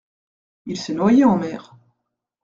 Il s’est noyé en mer.